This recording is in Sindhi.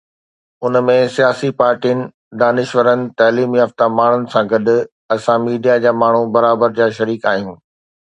ان ۾ سياسي پارٽين، دانشورن، تعليم يافته ماڻهن سان گڏ اسان ميڊيا جا ماڻهو برابر جا شريڪ آهيون.